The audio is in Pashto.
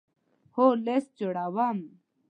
هو، لست جوړوم